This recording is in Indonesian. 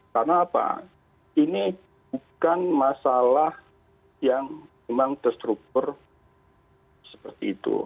karena apa ini bukan masalah yang memang terstruktur seperti itu